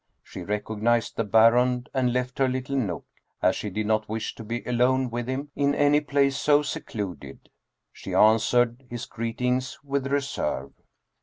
She recognized the Baron and left her little nook, as she did not wish to be alone with him in any place so secluded. She answered his greetings with reserve.